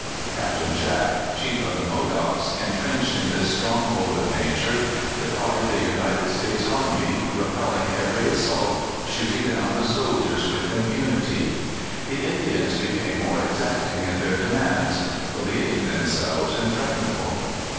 Caj^tain Jack, chief of the Modocs, intrenched in this stronghold of nature, defied the United States army, repelling every assault, shooting down the soldiers with impu nity. The Indians became more exacting in their demands, believing themselves impregnable.